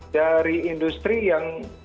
dari industri yang